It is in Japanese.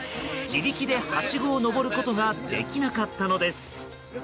自力で、はしごを上ることができなかったのです。